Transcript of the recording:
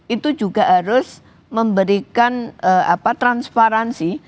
itu juga harus memberikan transparansi